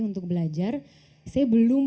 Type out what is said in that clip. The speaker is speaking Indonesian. untuk belajar saya belum